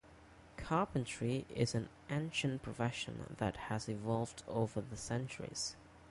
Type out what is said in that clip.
Carpentry is an ancient profession that has evolved over centuries.